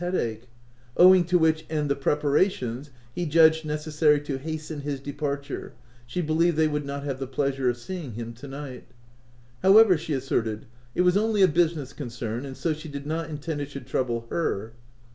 17 headache, owing to which and the preparations he judged necessary to hasten his departure, she believed they would not have the pleasure of seeing him to night. However, she asserted, it was only a business concern, and so she did not intend it should trouble her.